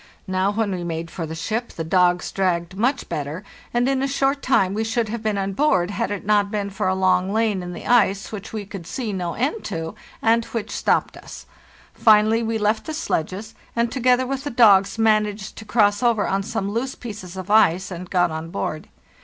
Now, when we made for the ship, the dogs dragged much better, and in a short time we should have been on board had it not been fora long lane in the ice which we could see no end to, and which stopped us. Finally we left the sledges and, together with the dogs, managed to cross over on some loose pieces of ice and got on board.